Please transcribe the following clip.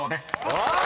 おっ！